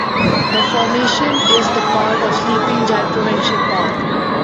The formation is part of Sleeping Giant Provincial Park.